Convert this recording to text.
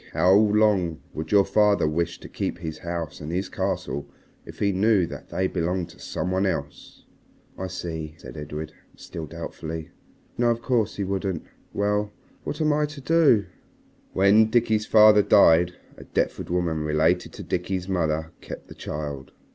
How long would your father wish to keep his house and his castle if he knew that they belonged to some one else?" "I see," said Edred, still doubtfully. "No, of course he wouldn't. Well, what am I to do?" "When Dickie's father died, a Deptford woman related to Dickie's mother kept the child.